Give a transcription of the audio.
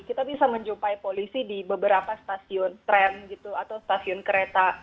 kita bisa menjumpai polisi di beberapa stasiun tren gitu atau stasiun kereta